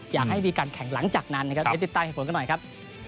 อยากให้มีการแข่งหลังจากนั้นติดตามเหตุผลกันหน่อยครับ